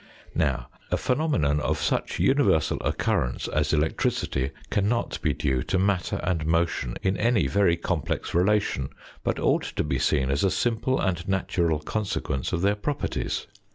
Now, a phenomenon of such universal occurrence as electricity cannot be due to matter and motion in any very complex relation, but ought to be seen as a simple and natural consequence of their properties.